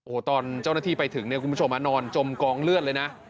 โอ้โหตอนเจ้าหน้าที่ไปถึงเนี่ยคุณผู้ชมนอนจมกองเลือดเลยนะ